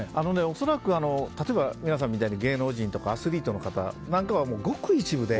恐らく例えば皆さんみたいに芸能人とかアスリートの方なんかはごく一部で。